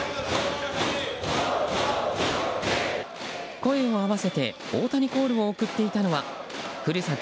声を合わせて大谷コールを送っていたのはふるさと